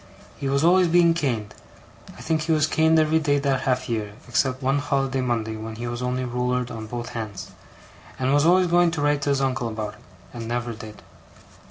He was always being caned I think he was caned every day that half year, except one holiday Monday when he was only ruler'd on both hands and was always going to write to his uncle about it, and never did.